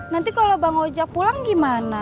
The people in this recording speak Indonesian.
nanti kalau bang ojek pulang gimana